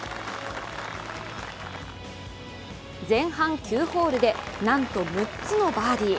前半９ホールでなんと６つのバーディー。